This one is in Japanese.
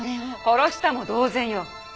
殺したも同然よ。